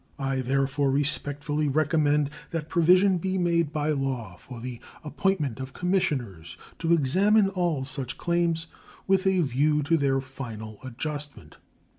I therefore respectfully recommend that provision be made by law for the appointment of commissioners to examine all such claims with a view to their final adjustment.